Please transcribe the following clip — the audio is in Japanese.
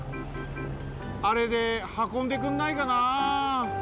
あれではこんでくんないかな。